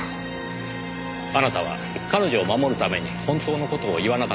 あなたは彼女を守るために本当の事を言わなかった。